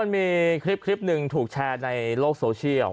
มีคลิปหนึ่งถูกแชร์ในโลกโซเชียล